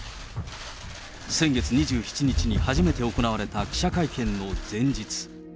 先月２７日に初めて行われた記者会見の前日。